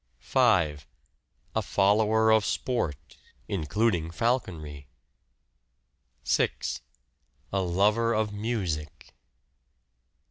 5. A follower of sport (including falconry). 6. A lover of music.